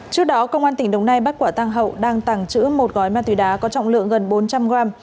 trước đó công an tỉnh đồng nai bắt quả tăng hậu đang tàng trữ một gói ma túy đá có trọng lượng gần bốn trăm linh gram